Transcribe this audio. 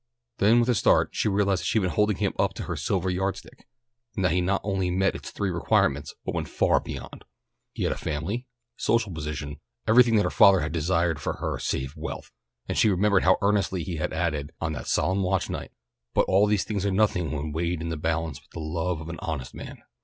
Then with a start she realized that she had been holding him up to her silver yardstick, and that he not only met its three requirements, but went far beyond. He had family, social position, everything that her father had desired for her save wealth, and she remembered how earnestly he had added, on that solemn watch night, "but all these are nothing when weighed in the balance with the love of an honest man."